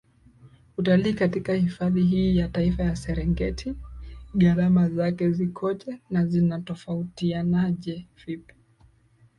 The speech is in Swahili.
utalii katika hifadhi hii ya Taifa ya Serengeti Gharama zake zikoje na zinatofatianaje vipi